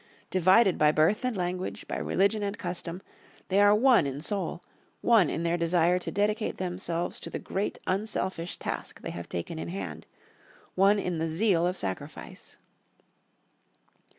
Divided by birth and language, by religion and custom, they are one in soul, one in their desire to dedicate themselves to the great unselfish task they have taken in hand, one in the zeal of sacrifice.